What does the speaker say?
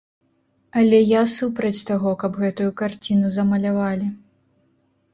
Але я супраць таго, каб гэтую карціну замалявалі.